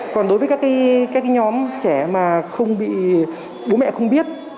còn đối với các nhóm trẻ mà bố mẹ không biết